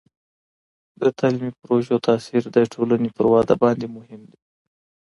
د تعلیمي پروژو تاثیر د ټولني پر وده باندې مهم دی.